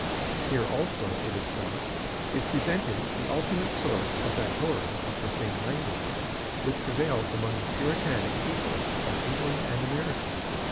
Here also, it is thought, is presented the ultimate source of that horror of profane language which prevails among the Puritanic peoples of England and America.